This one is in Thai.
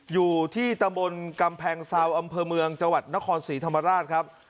อยู่ที่ตำบลกำแพงเซาอำเภอเมืองจังหวัดนครศรีธรรมราชครับ